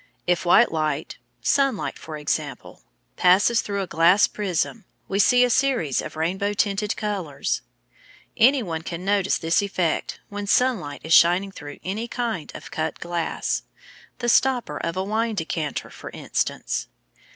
If white light (sunlight, for example) passes through a glass prism, we see a series of rainbow tinted colours. Anyone can notice this effect when sunlight is shining through any kind of cut glass the stopper of a wine decanter, for instance.